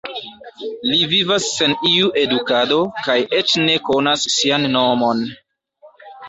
Li vivas sen iu edukado kaj eĉ ne konas sian nomon.